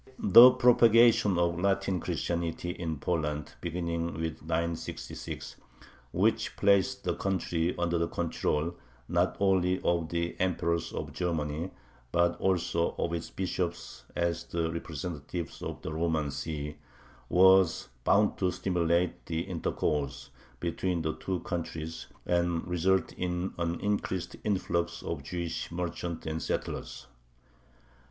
The propagation of Latin Christianity in Poland (beginning with 966), which placed the country under the control not only of the emperors of Germany but also of its bishops as the representatives of the Roman See, was bound to stimulate the intercourse between the two countries and result in an increased influx of Jewish merchants and settlers.